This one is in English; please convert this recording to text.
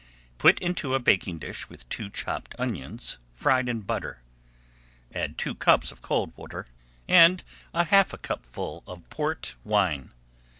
Put into a baking dish with two chopped onions fried in butter. Add two cupfuls of cold water and half a cupful of Port wine.